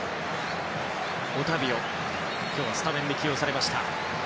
オタビオ、今日はスタメンで起用されました。